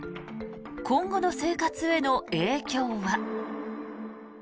今後の生活への影響は。